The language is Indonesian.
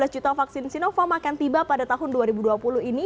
dua belas juta vaksin sinopharm akan tiba pada tahun dua ribu dua puluh ini